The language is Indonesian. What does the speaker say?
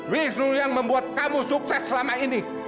wisnu yang membuat kamu sukses selama ini